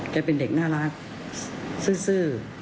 เป็นเด็กน่ารักซื่อ